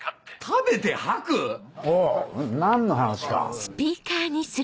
食べて吐く⁉何の話か？